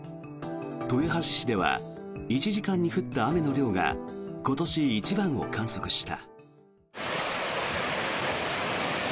豊橋市では１時間に降った雨の量が今年一番を観測した。